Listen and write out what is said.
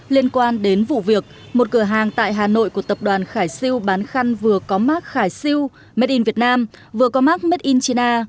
liên quan đến vụ việc một cửa hàng tại hà nội của tập đoàn khải siêu bán khăn vừa có mark khải siêu made in việt nam vừa có mark made in china